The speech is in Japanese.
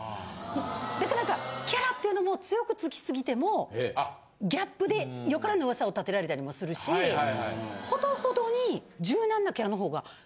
だから何かキャラっていうのも強く付き過ぎてもギャップで良からぬ噂を立てられたりもするしほどほどに。